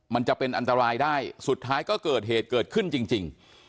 มันจะเป็นอันตรายได้สุดท้ายก็เกิดเหตุเกิดขึ้นจริง